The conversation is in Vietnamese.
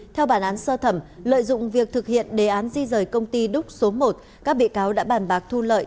theo bản án sơ thẩm lợi dụng việc thực hiện đề án di rời công ty đúc số một các bị cáo đã bàn bạc thu lợi